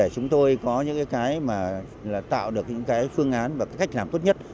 chúng tôi có những cái mà tạo được những cái phương án và cách làm tốt nhất